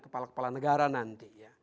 kepala kepala negara nanti